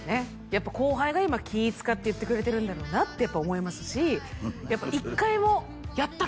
やっぱ後輩が今気ぃ使って言ってくれてるんだろうなってやっぱ思いますし１回も「やった！